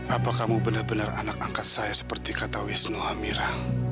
apa kamu benar benar anak angkat saya seperti kata wisnu amira